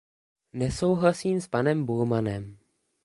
Nesouhlasím s panem Bullmanem.